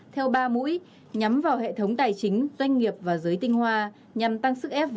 theo ba mũi nhắm vào hệ thống tài chính doanh nghiệp và doanh nghiệp